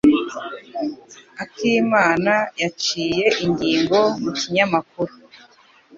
Akimana yaciye ingingo mu kinyamakuru.